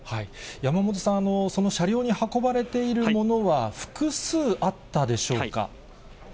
山本さん、その車両に運ばれているものは、複数あったでしょうか。